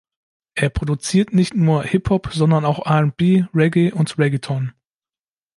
Er produziert nicht nur Hip-Hop, sondern auch R&B, Reggae und Reggaeton.